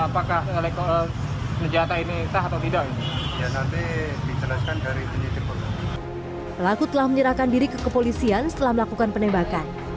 pelaku telah menyerahkan diri ke kepolisian setelah melakukan penembakan